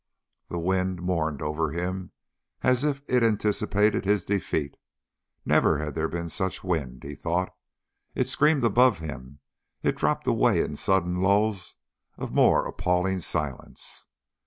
The wind mourned over him as if it anticipated his defeat. Never had there been such wind, he thought. It screamed above him. It dropped away in sudden lulls of more appalling silence.